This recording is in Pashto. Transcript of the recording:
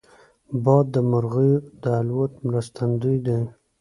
باد د مرغیو د الوت مرستندوی دی